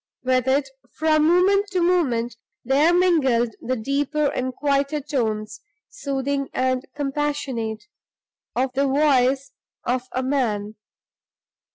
With it, from moment to moment, there mingled the deeper and quieter tones, soothing and compassionate, of the voice of a man.